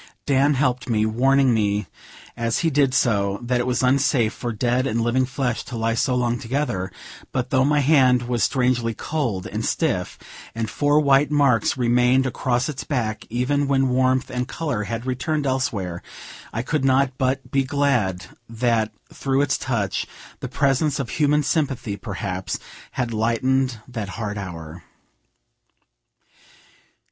Dan helped me, warning me as he did so that it was unsafe for dead and living flesh to lie so long together; but though my hand was strangely cold and stiff, and four white marks remained across its back, even when warmth and color had returned elsewhere, I could not but be glad that, through its touch, the presence of human sympathy, perhaps, had lightened that hard hour.